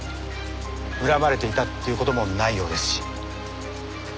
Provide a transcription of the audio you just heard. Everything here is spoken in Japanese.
恨まれていたっていう事もないようですし。